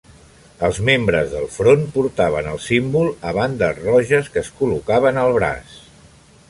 Els membres del Front portaven el símbol a bandes roges que es col·locaven al braç.